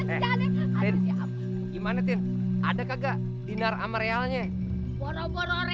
eh ini babi kalau gue denger nadanya nada penyanyi